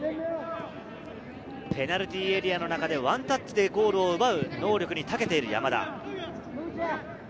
ペナルティーエリアの中でワンタッチでゴールを奪う能力に長けている山田。